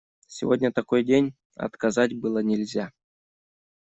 Сегодня такой день – отказать было нельзя.